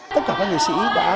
tất cả các nghệ sĩ đã